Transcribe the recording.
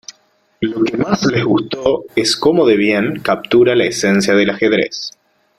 Lo que más les gustó es cómo de bien captura la esencia del ajedrez.